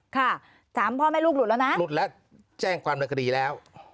ค่ะสามพ่อแม่ลูกหลุดแล้วนะหลุดแล้วแจ้งความในคดีแล้ว